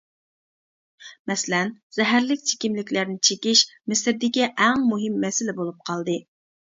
مەسىلەن:زەھەرلىك چېكىملىكلەرنى چېكىش مىسىردىكى ئەڭ مۇھىم مەسىلە بولۇپ قالدى.